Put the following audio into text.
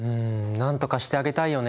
なんとかしてあげたいよね。